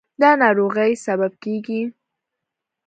د ناروغۍ سبب کېږي.